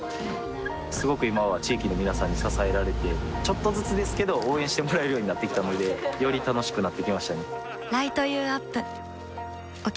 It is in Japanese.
すごく今は地域の皆さんに支えられてちょっとずつですけど応援してもらえるようになってきたのでより楽しくなってきましたね